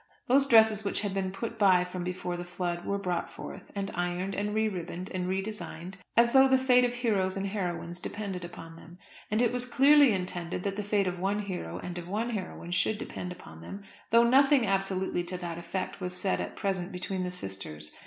Those dresses which had been put by from before the flood were brought forth, and ironed, and re ribboned, and re designed, as though the fate of heroes and heroines depended upon them. And it was clearly intended that the fate of one hero and of one heroine should depend on them, though nothing absolutely to that effect was said at present between the sisters.